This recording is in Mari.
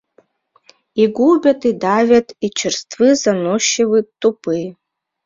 И губят, и давят, и — черствы, заносчивы, тупы —